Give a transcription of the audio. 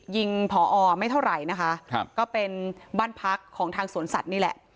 ผอไม่เท่าไหร่นะคะครับก็เป็นบ้านพักของทางสวนสัตว์นี่แหละ